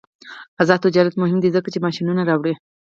آزاد تجارت مهم دی ځکه چې ماشینونه راوړي.